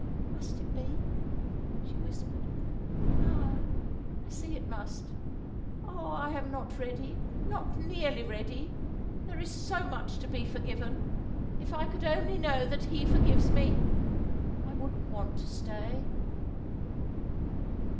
"Must it be?" she whispered. "Ah, I see it must! Oh, I'm not ready not nearly ready. There's so much to be forgiven; if I could only know that He forgives me, I wouldn't want to stay."